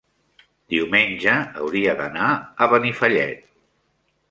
diumenge hauria d'anar a Benifallet.